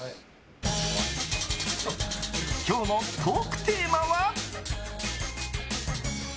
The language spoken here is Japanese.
今日のトークテーマは。